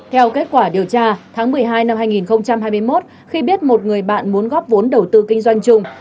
theo kết quả điều tra tháng một mươi hai năm hai nghìn hai mươi một khi biết một người bạn muốn góp vốn đầu tư kinh doanh chung